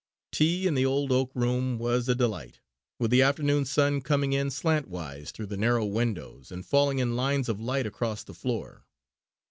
Tea in the old oak room was a delight, with the afternoon sun coming in slantwise through the narrow windows and falling in lines of light across the floor.